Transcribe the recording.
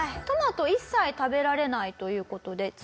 トマトを一切食べられないという事で。